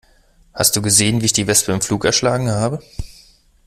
Hast du gesehen, wie ich die Wespe im Flug erschlagen habe?